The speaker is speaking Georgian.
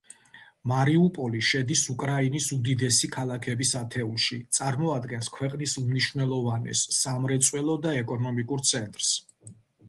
მარიუპოლი შედის უკრაინის უდიდესი ქალაქების ათეულში, წარმოადგენს ქვეყნის უმნიშვნელოვანეს სამრეწველო და ეკონომიკურ ცენტრს.